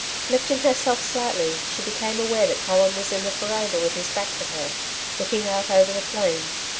Lifting herself slightly, she became aware that Colin was in the veranda with his back to her, looking out over the plain.